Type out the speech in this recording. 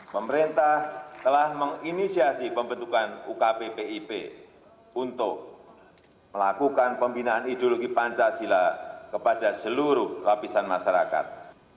pemerintah telah menginisiasi pembentukan ukppip untuk melakukan pembinaan ideologi pancasila kepada seluruh lapisan masyarakat